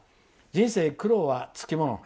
人生苦労はつきもの。